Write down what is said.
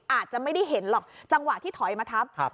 อาจจะไม่ได้เห็นหรอกจังหวะที่ถอยมาทับ